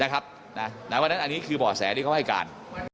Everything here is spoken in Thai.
นะครับวันนั้นอันนี้คือบ่อแสที่เขาให้การ